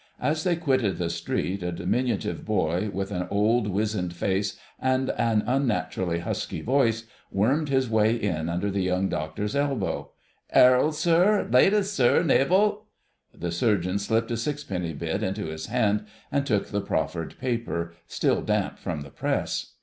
As they quitted the street, a diminutive boy, with an old, wizened face and an unnaturally husky voice, wormed his way in under the Young Doctor's elbow, "'Erald, sir? Latest, sir! Naval—" The Surgeon slipped a sixpenny bit into his hand and took the proffered paper, still damp from the press.